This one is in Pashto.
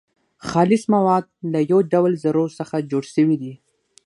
خالص مواد له يو ډول ذرو څخه جوړ سوي دي .